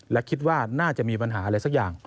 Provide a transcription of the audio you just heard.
และคิดว่าน่าจะมีปัญหาอะไรสักอย่าง